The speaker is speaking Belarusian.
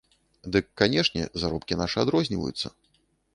Дык, канешне, заробкі нашы адрозніваюцца!